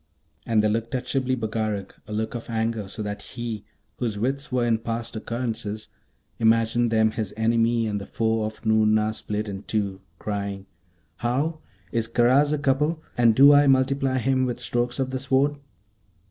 And they looked at Shibli Bagarag a look of anger, so that he, whose wits were in past occurrences, imagined them his enemy and the foe of Noorna split in two, crying, 'How? Is Karaz a couple? and do I multiply him with strokes of the Sword?'